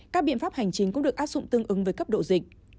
các biện pháp hành chính cũng được áp dụng tương ứng với cấp độ dịch